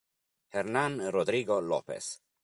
Hernán Rodrigo López